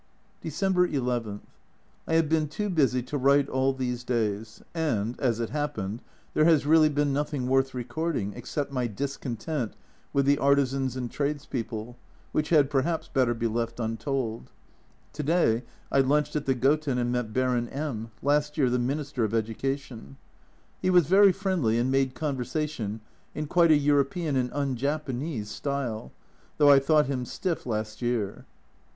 December II. I have been too busy to write all these days, and as it happened, there has really been nothing worth recording except my discontent with the artisans and trades people, which had perhaps better be left untold. To day I lunched at the Goten and met Baron M , last year the Minister of Education. He was very friendly and "made con A Journal from Japan 245 versation " in quite a European and un Japanese style, though I thought him stiff last year.